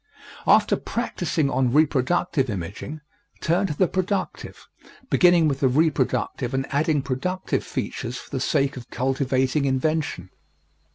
After practising on reproductive imaging, turn to the productive, beginning with the reproductive and adding productive features for the sake of cultivating invention.